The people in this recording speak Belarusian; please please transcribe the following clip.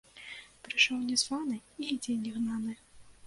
Прыйшоў не званы і ідзі не гнаны